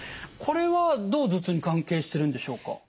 これはどう頭痛に関係してるんでしょうか？